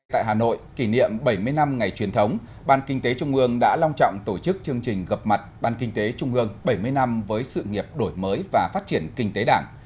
tại hà nội kỷ niệm bảy mươi năm ngày truyền thống ban kinh tế trung ương đã long trọng tổ chức chương trình gặp mặt ban kinh tế trung ương bảy mươi năm với sự nghiệp đổi mới và phát triển kinh tế đảng